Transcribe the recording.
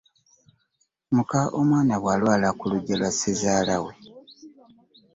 Muka omwana bw'alwa ku luggya lwa ssezaala we.